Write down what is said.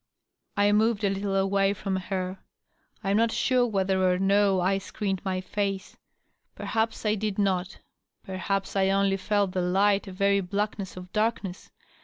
. I moved a little away from her. I am not sure whether or no I screened my face. Perhaps I did not ; perhaps I only felt the light a very blackness of darkness.